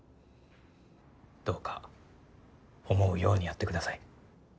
どうか思うようにやってください。